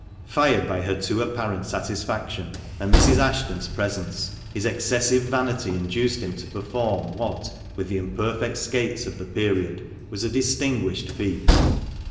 Fired by her too apparent satisfaction, and Mrs. Ashton's presence, his excessive vanity induced him to perform what, with the imperfect skates of the period, was a distinguished feat.